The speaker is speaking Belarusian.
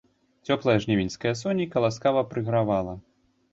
Цёплае жнівеньскае сонейка ласкава прыгравала.